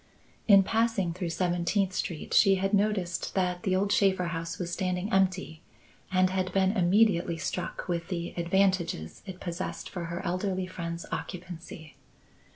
In passing through Seventeenth Street, she had noticed that the old Shaffer house was standing empty and had been immediately struck with the advantages it possessed for her elderly friend's occupancy.